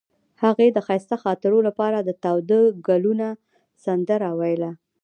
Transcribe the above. هغې د ښایسته خاطرو لپاره د تاوده ګلونه سندره ویله.